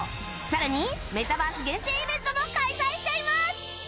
さらにメタバース限定イベントも開催しちゃいます